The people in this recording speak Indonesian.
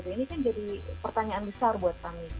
ini kan jadi pertanyaan besar buat kami